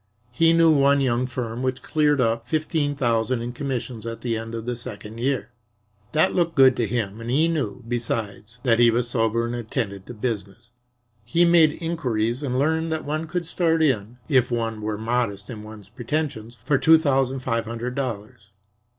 He knew one young firm which cleared up fifteen thousand in commissions at the end of the second year. That looked good to him, and he knew, besides, that he was sober and attended to business. He made inquiries and learned that one could start in, if one were modest in one's pretensions, for two thousand five hundred dollars.